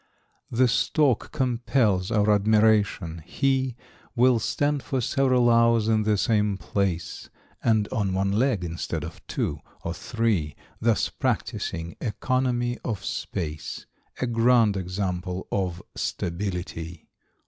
= The Stork compels our admiration, he Will stand for several hours in the same place And on one leg, instead of two (or three), Thus practising economy of space. A grand example of stability!